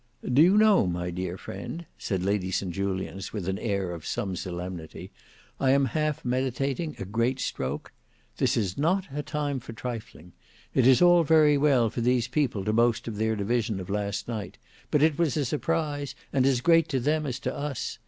"Do you know, my dear friend," said Lady St Julians with an air of some solemnity, "I am half meditating a great stroke? This is not a time for trifling. It is all very well for these people to boast of their division of last night, but it was a surprise, and as great to them as to us.